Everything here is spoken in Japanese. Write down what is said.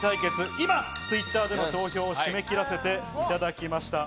今Ｔｗｉｔｔｅｒでの投票を締め切らせていただきました。